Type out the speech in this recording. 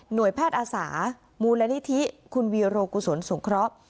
แพทย์อาสามูลนิธิคุณวีโรกุศลสงเคราะห์